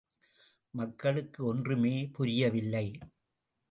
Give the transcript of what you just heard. மக்களுக்கு ஒன்றுமே புரியவில்லை.